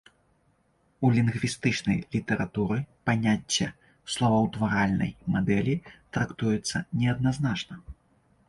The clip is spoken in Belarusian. У лінгвістычнай літаратуры паняцце словаўтваральнай мадэлі трактуецца неадназначна.